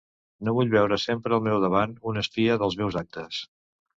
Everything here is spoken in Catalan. No vull veure sempre al meu davant un espia dels meus actes.